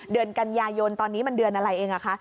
เดือนกันยายนตอนนี้มันเดือนอะไรเองคะ